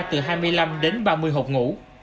từ hai mươi năm đến ba mươi hộp ngủ